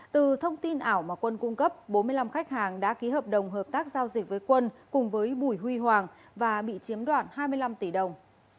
từ thông tin ảo mà quân cung cấp bốn mươi năm khách hàng đã ký hợp đồng hợp tác giao dịch với quân cùng với bùi huy hoàng và bị chiếm đoạt hai mươi năm tỷ đồng